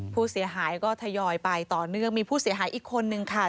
ผู้เสียหายก็ทยอยไปต่อเนื่องมีผู้เสียหายอีกคนนึงค่ะ